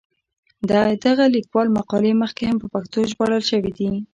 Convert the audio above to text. د دغه لیکوال مقالې مخکې هم په پښتو ژباړل شوې دي.